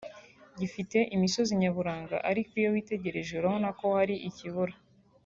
gifite imisozi nyaburanga ariko iyo witegereje urabona ko hari ikibura